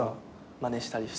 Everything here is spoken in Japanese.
まねしたりして。